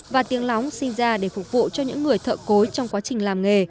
và tiếng lóng sinh ra để phục vụ cho những người thợ cối trong quá trình làm nghề